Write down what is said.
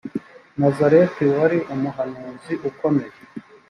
nazareti wari umuhanuzi ukomeye